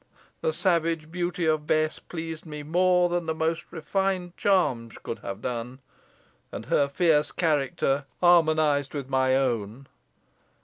The savage beauty of Bess pleased me more than the most refined charms could have done, and her fierce character harmonised with my own.